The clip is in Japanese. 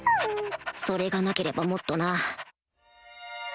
それがなければもっとな